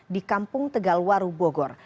di kampung tegalwaru bogor